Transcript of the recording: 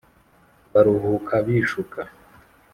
Baruhuka bishuka